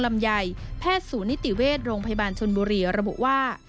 ลำไยแพทย์สู่นิติเวชโรงพยาบาลชนบุรีระบุว่า